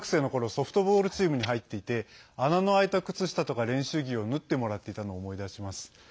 ソフトボールチームに入っていて穴の開いた靴下とか練習着を縫ってもらっていたのを思い出します。